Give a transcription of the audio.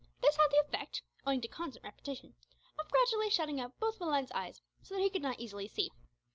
This had the effect, owing to constant repetition, of gradually shutting up both Malines's eyes so that he could not easily see.